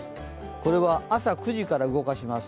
これは朝９時から動かします。